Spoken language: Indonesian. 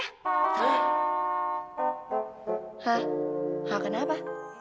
hah hal kenapa